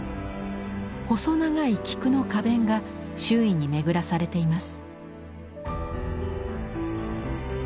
細長い菊の花弁が周囲に巡らされています。